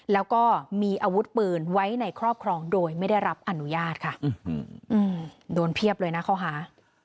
แล้วก็มีอาวุธปืนไว้ในครอบครองโดยไม่ได้รับอนุญาตค่ะโดนเพียบเลยนะข้อหา